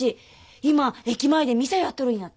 今駅前で店やっとるんやって。